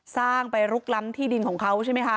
สร้างไปลุกล้ำที่ดินของเขาใช่ไหมคะ